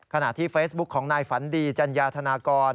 ขณะที่เฟซบุ๊คของนายฝันดีจัญญาธนากร